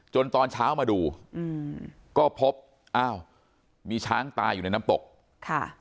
ตอนเช้ามาดูอืมก็พบอ้าวมีช้างตายอยู่ในน้ำตกค่ะ